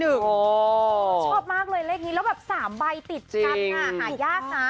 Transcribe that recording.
ชอบมากเลยเลขนี้แล้วแบบ๓ใบติดกันหายากนะ